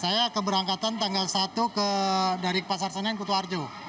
saya keberangkatan tanggal satu dari pasar seneng kutu arjo